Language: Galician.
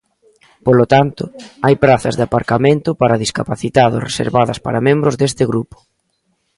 Polo tanto, hai prazas de aparcamento para discapacitados reservadas para membros deste grupo.